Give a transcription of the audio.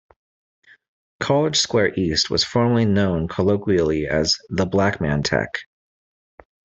College Square East was formally known colloquially as the 'Black Man Tech'.